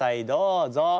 どうぞ。